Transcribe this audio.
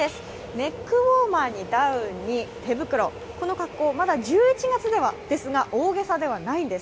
ネックウオーマーにダウンに、手袋この格好、まだ１１月ですが大げさではないんです。